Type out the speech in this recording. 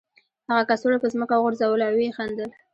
هغه کڅوړه په ځمکه وغورځوله او ویې خندل